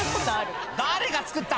誰が作った？